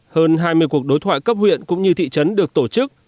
hơn hai mươi cuộc đối thoại cấp huyện cũng như thị trấn được tổ chức